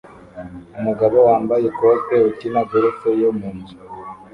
Umugabo wambaye ikote ukina golf yo mu nzu